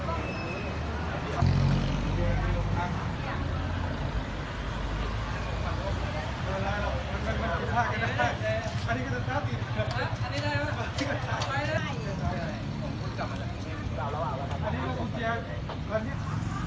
ดูซิ่งที่แม่งไม่ได้สูญ